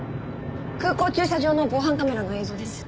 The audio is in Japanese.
空港駐車場の防犯カメラの映像です。